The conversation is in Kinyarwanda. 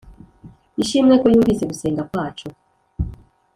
Ishimwe ko yumvise gusenga kwacu